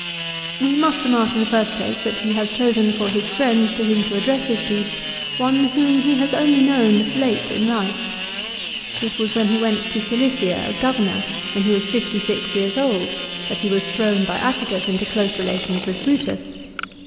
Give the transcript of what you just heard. We must remark in the first place that he has chosen for his friend to whom to address his piece one whom he has only known late in life. It was when he went to Cilicia as Governor, when he was fifty six years old, that he was thrown by Atticus into close relations with Brutus.